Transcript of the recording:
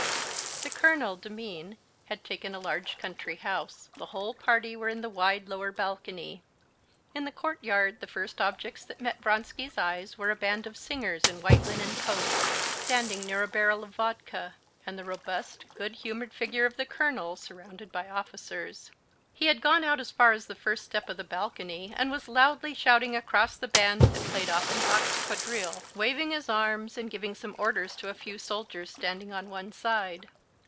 The colonel, Demin, had taken a large country house. The whole party were in the wide lower balcony. In the courtyard the first objects that met Vronsky's eyes were a band of singers in white linen coats, standing near a barrel of vodka, and the robust, good humored figure of the colonel surrounded by officers. He had gone out as far as the first step of the balcony and was loudly shouting across the band that played Offenbach's quadrille, waving his arms and giving some orders to a few soldiers standing on one side.